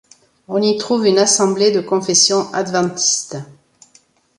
On y trouve une assemblée de confession adventiste.